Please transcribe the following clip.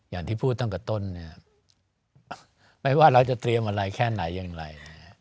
อย่างที่พูดตั้งแต่ต้นเนี่ยไม่ว่าเราจะเตรียมอะไรแค่ไหนอย่างไร